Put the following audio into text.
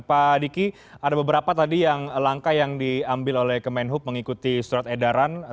pak diki ada beberapa tadi yang langkah yang diambil oleh kemenhub mengikuti surat edaran